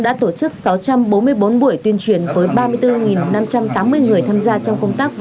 đã tổ chức sáu trăm bốn mươi bốn buổi tuyên truyền với ba mươi bốn năm trăm tám mươi người tham gia trong công tác